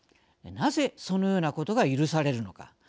なぜそのようなことが許されるのか。